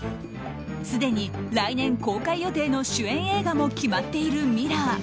すでに来年公開予定の主演映画も決まっているミラー。